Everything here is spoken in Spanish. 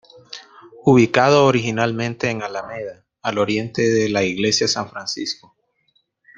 Ubicado originalmente en Alameda, al oriente de la Iglesia San Francisco.